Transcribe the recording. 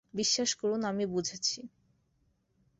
বিশ্বাস করুন, আমি বুঝেছি।